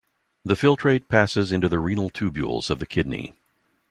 The filtrate passes into the renal tubules of the kidney.